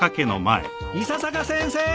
伊佐坂先生